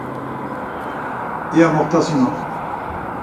iya moxtasinon.